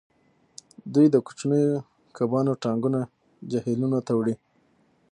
دوی د کوچنیو کبانو ټانکونه جهیلونو ته وړي